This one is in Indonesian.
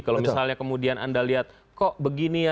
kalau misalnya kemudian anda lihat kok begini ya